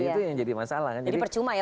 itu yang jadi masalah kan jadi percuma ya